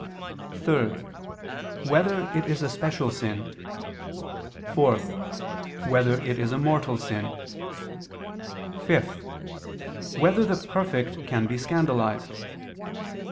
(3) Whether it is a special sin? (4) Whether it is a mortal sin? (5) Whether the perfect can be scandalized?